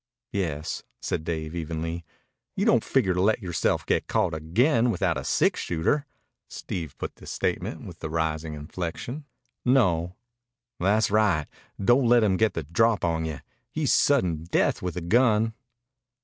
"Yes," said Dave evenly. "You don't figure to let yoreself get caught again without a six shooter." Steve put the statement with the rising inflection. "No." "Tha's right. Don't let him get the drop on you. He's sudden death with a gun."